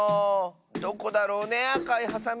どこだろうねあかいハサミ。